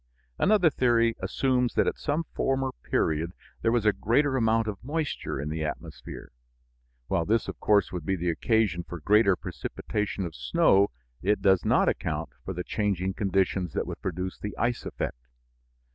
Another theory assumes that at some former period there was a greater amount of moisture in the atmosphere; while this of course would be the occasion for greater precipitation of snow, it does not account for the changing conditions that would produce the ice effect.